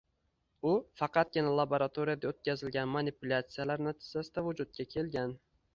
u faqatgina laboratoriyada o‘tkazilgan manipulyatsiyalar natijasida vujudga kelgan.